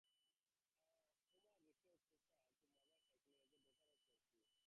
Homer refers to Thoosa, the mother of Polyphemus, as a daughter of Phorcys.